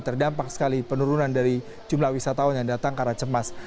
terdampak sekali penurunan dari jumlah wisatawan yang datang karena cemas